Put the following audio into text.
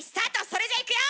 それじゃいくよ！